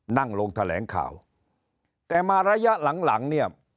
นั่งลงแถลงข่าวแต่มาระยะหลังหลังเนี่ย